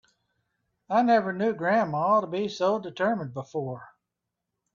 I never knew grandma to be so determined before.